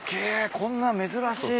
こんなん珍しい。